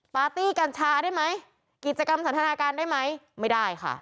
ปาร์ตี้กัญชาได้ไหมกิจกรรมสันทนาการได้ไหมไม่ได้ค่ะ